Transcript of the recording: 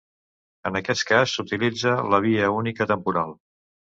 En aquest cas, s'utilitza la via única temporal.